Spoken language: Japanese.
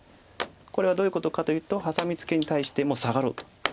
これはどういうことかというとハサミツケに対してサガろうと。